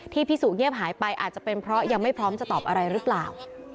พี่สุเงียบหายไปอาจจะเป็นเพราะยังไม่พร้อมจะตอบอะไรหรือเปล่า